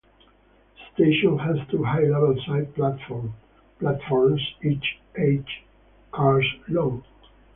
The station has two high-level side platform platforms each eight cars long.